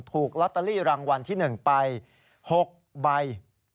ถูกลอตเตอรี่รางวัลที่๑ไป๖ใบ